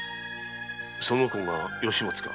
その子が吉松か？